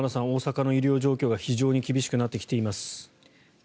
大阪の医療状況が非常に厳しくなってきています。